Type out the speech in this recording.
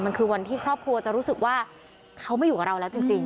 มันคือวันที่ครอบครัวจะรู้สึกว่าเขาไม่อยู่กับเราแล้วจริง